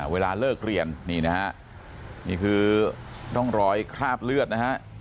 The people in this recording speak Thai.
เวลาเลิกเรียนนี่นะฮะนี่คือร่องรอยคราบเลือดนะฮะ